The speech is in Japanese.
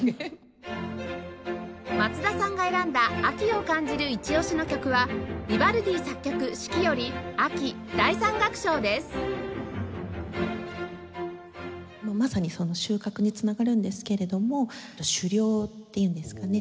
松田さんが選んだ秋を感じるイチオシの曲はまさにその収穫に繋がるんですけれども狩猟っていうんですかね